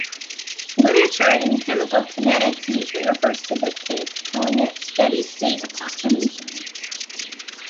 Literature in chemical kinetics usually refers to this case, calling it "steady state approximation".